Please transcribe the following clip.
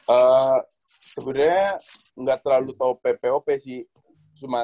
eee sebenernya gak terlalu tau ppop sih cuma tapi udah tau ppop itu bagus